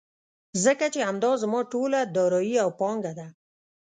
ځکه چې همدا زما ټوله دارايي او پانګه ده.